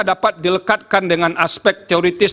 dapat dilekatkan dengan aspek teoritis